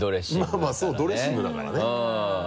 まぁまぁそうドレッシングだからね。